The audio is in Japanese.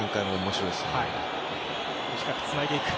短くつないでいく。